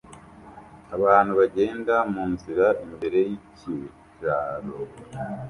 Abantu bagenda munzira imbere yikiraro